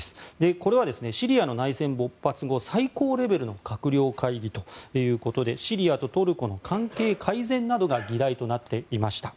これはシリアの内戦勃発後最高レベルの閣僚会議でシリアとトルコの関係改善が議題となっていました。